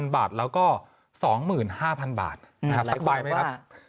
๒๐๐๐๐บาทแล้วก็๒๕๐๐๐บาทสบายไหมครับ